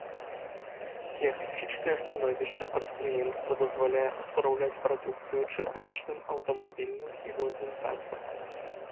Геаграфічнае становішча прадпрыемства дазваляе адпраўляць прадукцыю чыгуначным, аўтамабільным і водным транспартам.